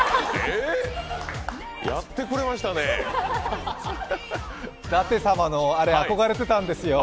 えーっ？やってくれましたね。